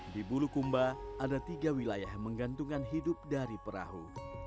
di bulukumba ada tiga wilayah yang menggantungkan hidup dari perahu